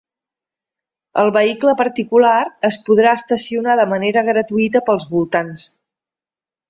El vehicle particular es podrà estacionar de manera gratuïta pels voltants.